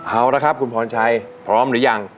เอาละครับคุณพรชัยพร้อมหรือยัง